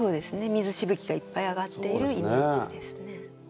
水しぶきがいっぱい上がっているイメージですね。